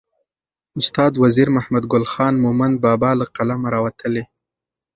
استاد وزیر محمدګل خان مومند بابا له قلمه راوتلې.